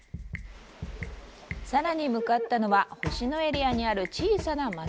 さらに向かったのは星野エリアにある小さな街。